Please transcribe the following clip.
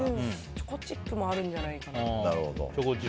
チョコチップもあるんじゃないかな。